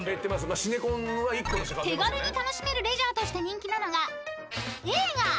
［手軽に楽しめるレジャーとして人気なのが映画］